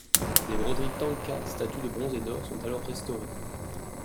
Des broderies thangka, statues de bronze et d'or sont alors restaurées.